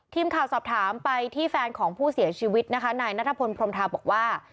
ทีมข่าวสอบถามไปที่แฟนของผู้เสียชีวิตนะคะนายนัทพลพรมทาบอกว่า